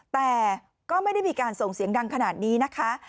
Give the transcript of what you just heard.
แต่ก็ไม่ได้มีการส่งเสียงดังขนาดนี้นะคะ